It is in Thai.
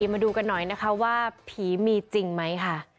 มาดูกันหน่อยนะคะว่าผีมีจริงไหมค่ะ